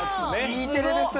Ｅテレですね。